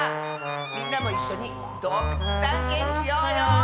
みんなもいっしょにどうくつたんけんしようよ！